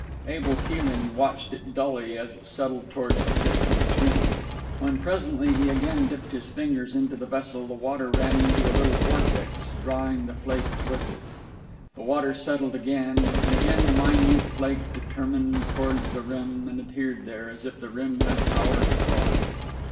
Abel Keeling watched it dully as it settled towards the pipkin's rim. When presently he again dipped his fingers into the vessel the water ran into a little vortex, drawing the flake with it. The water settled again; and again the minute flake determined towards the rim and adhered there, as if the rim had power to draw it....